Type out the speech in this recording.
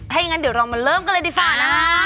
ถ้าอย่างนั้นเดี๋ยวเรามาเริ่มกันเลยดีกว่านะ